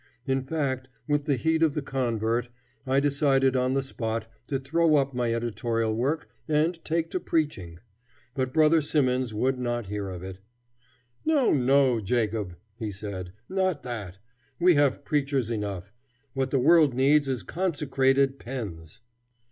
In fact, with the heat of the convert, I decided on the spot to throw up my editorial work and take to preaching. But Brother Simmons would not hear of it. [Footnote: Brother Simmons. [The Rev. Ichabod Simmons.]] "No, no, Jacob," he said; "not that. We have preachers enough. What the world needs is consecrated pens."